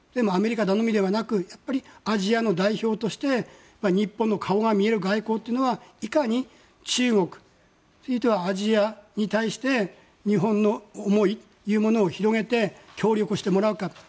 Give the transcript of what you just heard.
アメリカ頼みではなくアジアの代表として日本の顔が見える外交というのはいかに中国、ひいてはアジアに対して日本の思いを広げて、協力してもらうか。